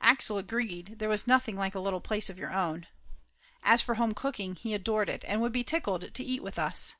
Axel agreed that there was nothing like a little place of your own. As for home cooking, he adored it and would be tickled to eat with us.